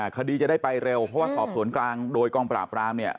คดีจะได้ไปเร็วเพราะว่าสอบสวนกลางโดยกองปราบรามเนี่ย